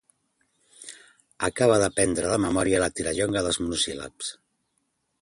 Acabe d'aprendre de memòria la Tirallonga dels monosíl·labs.